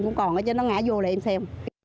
cũng còn cho nó ngã vô để em xem